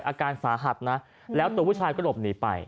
อาการสาหัสนะแล้วตัวผู้ชายก็หลบหนีไป